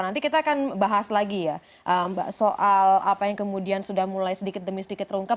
nanti kita akan bahas lagi ya mbak soal apa yang kemudian sudah mulai sedikit demi sedikit terungkap